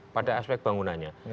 pada aspek bangunannya